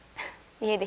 家で？